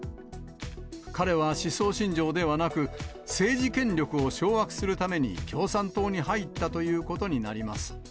彼は思想信条ではなく、政治権力を掌握するために、共産党に入ったということになります。